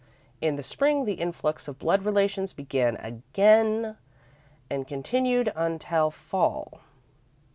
In the Spring, the influx of blood relations began again and continued until Fall.